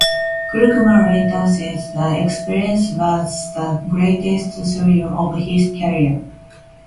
Klugman later said the experience was the greatest thrill of his career.